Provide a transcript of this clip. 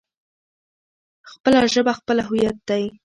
خپله ژبه خپله هويت دی.